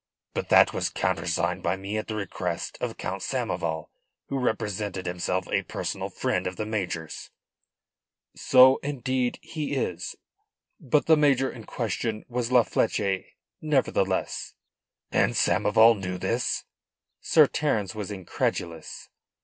"But that was countersigned by me at the request of Count Samoval, who represented himself a personal friend of the major's." "So indeed he is. But the major in question was La Fleche nevertheless." "And Samoval knew this?" Sir Terence was incredulous.